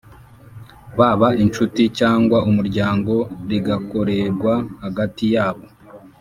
baba inshuti cyangwa umuryango, rigakorerwa hagati yabo